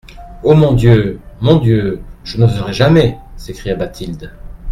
Ô mon Dieu ! mon Dieu ! je n'oserai jamais ! s'écria Bathilde.